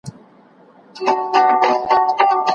څنگه هېر کم پر دې لار تللي کلونه.